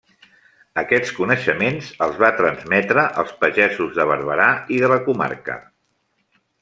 Aquests coneixements els va transmetre als pagesos de Barberà i de la comarca.